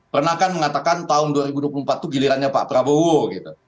pernah kan mengatakan tahun dua ribu dua puluh empat itu gilirannya pak prabowo gitu